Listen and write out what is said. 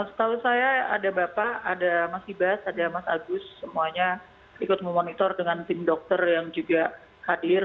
setahu saya ada bapak ada mas ibas ada mas agus semuanya ikut memonitor dengan tim dokter yang juga hadir